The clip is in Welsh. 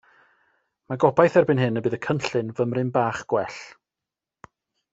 Mae gobaith erbyn hyn bydd y cynllun fymryn bach gwell.